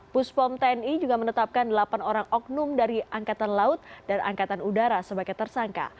puspom tni juga menetapkan delapan orang oknum dari angkatan laut dan angkatan udara sebagai tersangka